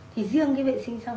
thì riêng cái vệ sinh xong